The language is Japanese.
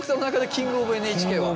キング・オブ・ＮＨＫ。